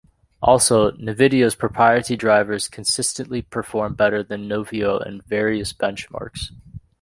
Also, Nvidia's proprietary drivers consistently perform better than nouveau in various benchmarks.